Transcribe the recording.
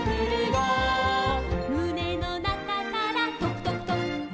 「むねのなかからとくとくとく」